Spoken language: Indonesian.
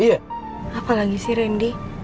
apalagi sih randy